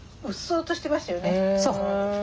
うっそうとしてましたよね。